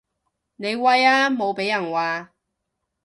你威啊無被人話